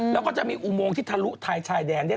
แล้วก็จะมีอุโมงที่ทะลุท้ายชายแดน